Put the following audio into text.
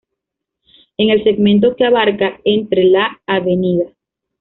En el segmento que abarca entre la Av.